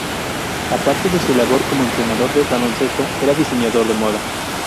Aparte de su labor como entrenador de baloncesto, era diseñador de moda.